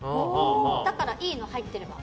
だからいいの、入ってれば。